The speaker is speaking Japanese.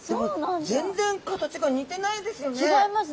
でも全然形が似てないですよね。